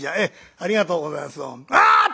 ありがとうございますあ！